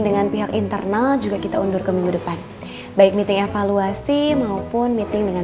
dengan pihak internal juga kita undur ke minggu depan baik meeting evaluasi maupun meeting dengan